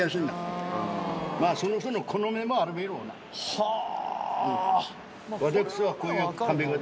はあ。